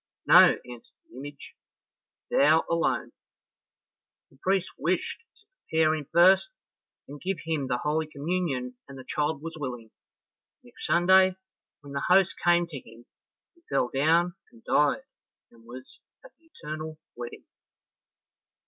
"No," answered the image, "thou alone." The priest wished to prepare him first, and give him the holy communion and the child was willing, and next Sunday, when the host came to him, he fell down and died, and was at the eternal wedding.